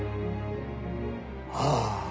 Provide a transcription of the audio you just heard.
ああ。